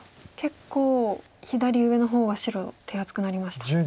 結構左上の方は白手厚くなりました。